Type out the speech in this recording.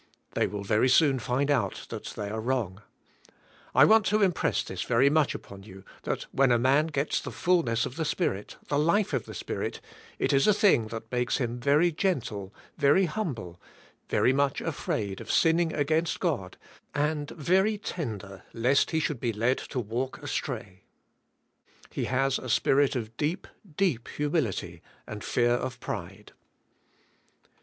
They will very soon find out that they are wrong I want to impress this very much upon you, that when a man gets the fullness of the Spirit, the life of the Spirit, it is a thing that makes him very gentle, very humble, very much afraid of sinning against God and very tender lest he should be led to walk astray. He has a spirit of deep, deep hu mility and fear of pride.